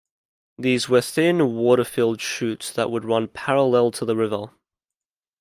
These were thin water filled chutes that would run parallel to the river.